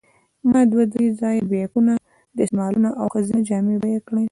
ما دوه درې ځایه بیکونه، دستمالونه او ښځینه جامې بیه کړې.